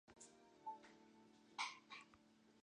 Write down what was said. His second trip to Rome had been a book buying trip.